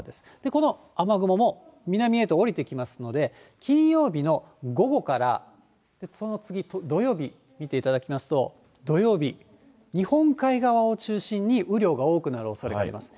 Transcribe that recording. この雨雲も南へと下りてきますので、金曜日の午後から、その次、土曜日見ていただきますと、土曜日、日本海側を中心に雨量が多くなるおそれがあります。